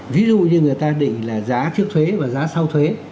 ví dụ như người ta định là giá trước thuế và giá sau thuế